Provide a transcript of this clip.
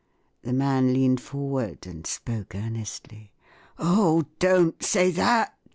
The man leaned forward and spoke earnestly* "Oh, don't say that!